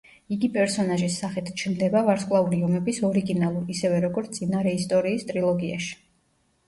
იგი პერსონაჟის სახით ჩნდება ვარსკვლავური ომების ორიგინალურ, ისევე, როგორც წინარეისტორიის ტრილოგიაში.